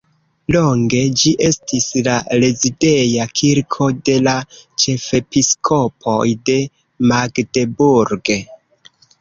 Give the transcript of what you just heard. Longe ĝi estis la rezideja kirko de la ĉefepiskopoj de Magdeburg.